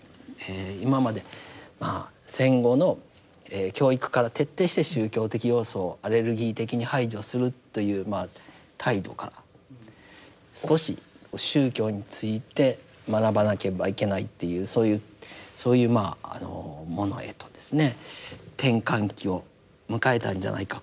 今まで戦後の教育から徹底して宗教的要素をアレルギー的に排除するという態度から少し宗教について学ばなければいけないっていうそういうものへとですね転換期を迎えたんじゃないか。